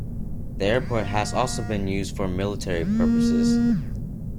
The airport has also been used for military purposes.